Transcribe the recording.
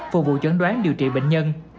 phục vụ chấn đoán điều trị bệnh nhân